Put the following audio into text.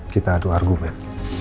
kita adu argumen